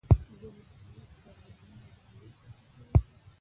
ژبه د ولس پر وینه ژوندي پاتې شوې ده